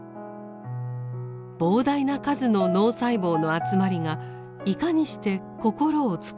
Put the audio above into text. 膨大な数の脳細胞の集まりがいかにして心を作り上げるのか。